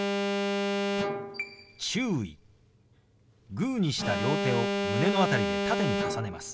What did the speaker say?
グーにした両手を胸の辺りで縦に重ねます。